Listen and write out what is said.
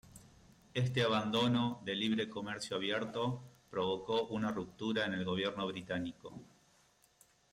Este abandono de libre comercio abierto provocó una ruptura en el gobierno británico.